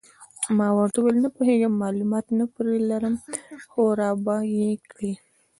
ما ورته وویل: نه پوهېږم، معلومات نه پرې لرم، خو را به یې کړي.